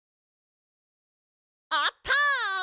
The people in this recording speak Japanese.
あった！